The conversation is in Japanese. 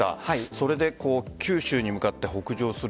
それで九州に向かって北上する